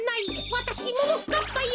わたしももかっぱよ。